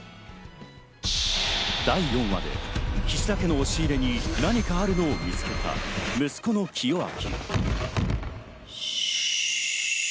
第４話で菱田家の押し入れに何かあるのを見つけた息子の清明。